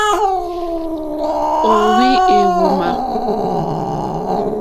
Ò óhwī éhwùmà.